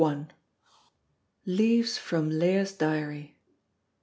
LEAVES FROM LEAH'S DIARY.